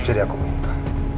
jadi aku minta